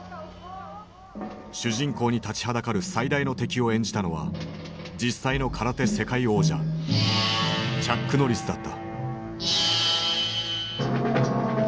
主人公に立ちはだかる最大の敵を演じたのは実際の空手世界王者チャック・ノリスだった。